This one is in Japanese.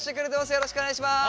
よろしくお願いします。